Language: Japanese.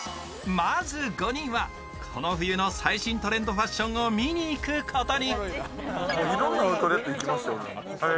まず５人はこの冬の最新トレンドファッションを見に行くことに。